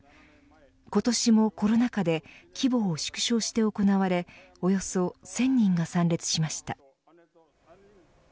今年もコロナ禍で規模を縮小して行われおよそ１０００人が参列しました。